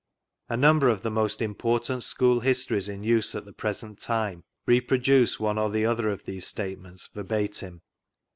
A number of the most important school histories in use at the present time reproduce one or the other 6t these statements verbatim.